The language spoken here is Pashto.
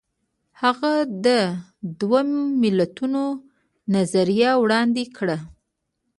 هغه د دوه ملتونو نظریه وړاندې کړه.